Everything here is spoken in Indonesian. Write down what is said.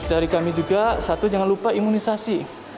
dari kami juga satu jangan lupa imunisasi